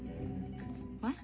えっ？